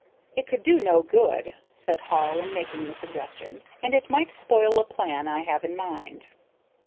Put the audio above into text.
"It could do no good," said Hall, in making the suggestion, "and it might spoil a plan I have in mind."